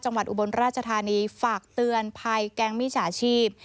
อุบลราชธานีฝากเตือนภัยแก๊งมิจฉาชีพ